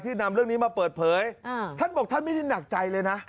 นำเรื่องนี้มาเปิดเผยท่านบอกท่านไม่ได้หนักใจเลยนะ